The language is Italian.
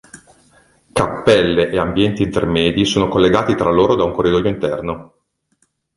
Cappelle e ambienti intermedi sono collegati tra loro da un corridoio interno.